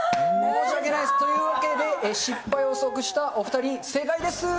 申し訳ない、というわけで、失敗を予測したお２人、正解です。